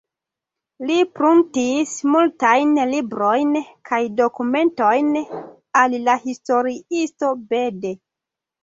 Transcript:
Li pruntis multajn librojn kaj dokumentojn al la historiisto Bede.